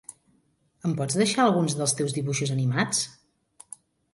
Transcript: Em pots deixar alguns dels teus dibuixos animats?